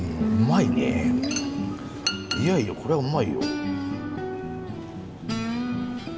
いやいやこれはうまいよ。